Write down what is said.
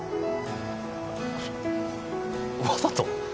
わざと？